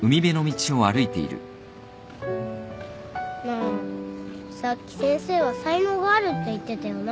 なあさっき先生はさいのうがあるって言ってたよな。